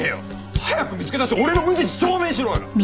早く見つけ出して俺の無実証明しろよ！